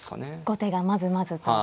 後手がまずまずと。